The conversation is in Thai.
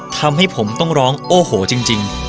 ทำให้ผมต้องร้องโอ้โหจริง